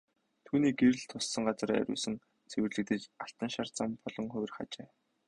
Түүний гэрэл туссан газар ариусан цэвэрлэгдэж алтан шар зам болон хувирах ажээ.